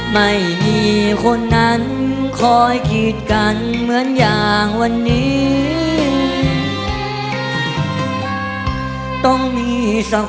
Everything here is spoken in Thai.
ไม่มีคนนั้นคอยกีดกันเหมือนอย่างวันนี้